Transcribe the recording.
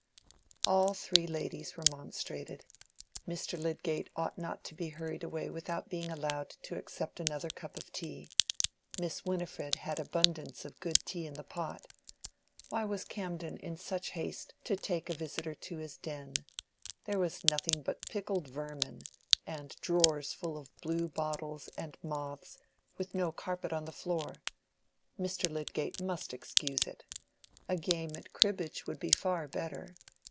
All three ladies remonstrated. Mr. Lydgate ought not to be hurried away without being allowed to accept another cup of tea: Miss Winifred had abundance of good tea in the pot. Why was Camden in such haste to take a visitor to his den? There was nothing but pickled vermin, and drawers full of blue bottles and moths, with no carpet on the floor. Mr. Lydgate must excuse it. A game at cribbage would be far better.